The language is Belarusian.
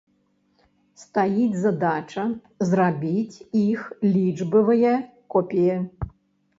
Стаіць задача зрабіць іх лічбавыя копіі.